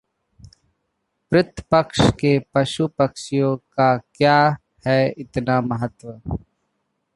पितृ पक्ष में पशु-पक्षियों का क्यों है इतना महत्व?